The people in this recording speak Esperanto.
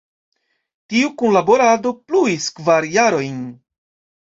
Tiu kunlaborado pluis kvar jarojn.